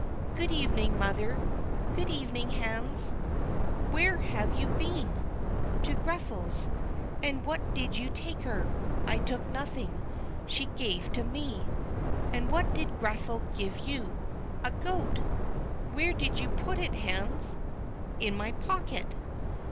"Good evening, mother." "Good evening, Hans. Where have you been?" "To Grethel's." "And what did you take to her?" "I took nothing; she gave to me." "And what did Grethel give you?" "A goat." "Where did you put it, Hans?" "In my pocket."